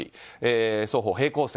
双方、平行線。